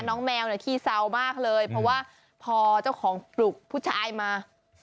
แมวเนี่ยขี้เศร้ามากเลยเพราะว่าพอเจ้าของปลุกผู้ชายมา